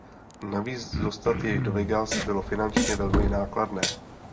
Navíc dostat jej do Vegas bylo finančně velmi nákladné.